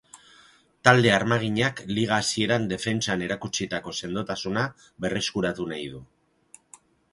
Talde armaginak liga hasieran defentsan erakutsitako sendotasuna berreskuratu nahi du.